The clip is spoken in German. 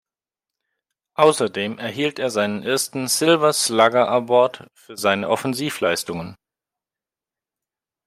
Außerdem erhielt er seinen ersten Silver Slugger Award für seine Offensivleistungen.